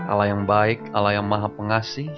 allah yang baik allah yang maha pengasih